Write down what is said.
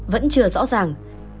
vẫn chưa rõ ràng